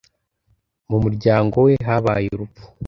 Mu muryango we habaye urupfu.